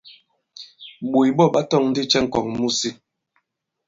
Ɓǒt ɓɔ ɓa tɔ̄ŋ ndi cɛ i ŋ̀kɔ̀ŋ mu si?